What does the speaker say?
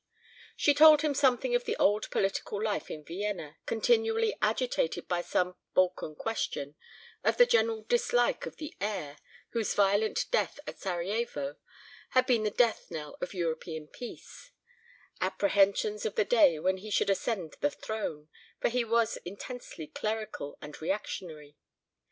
She told him something of the old political life of Vienna, continually agitated by some "Balkan Question"; of the general dislike of the "Heir," whose violent death at Sarajevo had been the death knell of European peace; apprehensions of the day when he should ascend the throne, for he was intensely clerical and reactionary.